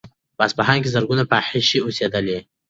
په اصفهان کې زرګونه فاحشې اوسېدلې.